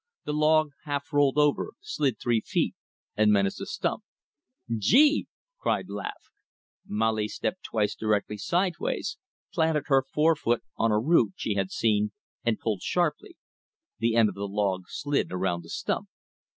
The log half rolled over, slid three feet, and menaced a stump. "Gee!" cried Laveque. Molly stepped twice directly sideways, planted her fore foot on a root she had seen, and pulled sharply. The end of the log slid around the stump.